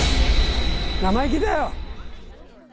生意気だよ！